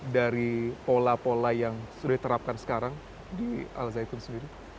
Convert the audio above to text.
dari pola pola yang sudah diterapkan sekarang di al zaytun sendiri